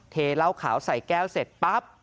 เทเหล้าขาวใส่แก้วเสร็จปั๊บ